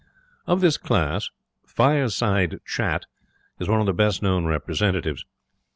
Of this class Fireside Chat was one of the best known representatives.